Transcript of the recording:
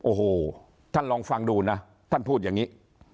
โอ้โหท่านลองฟังดูนะท่านพูดอย่างนี้